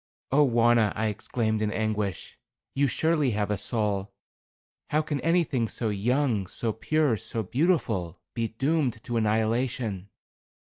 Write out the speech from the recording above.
"Oh, Wauna," I exclaimed, in anguish, "you surely have a soul. How can anything so young, so pure, so beautiful, be doomed to annihilation?"